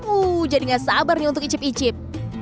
uh jadi gak sabar nih untuk icip icip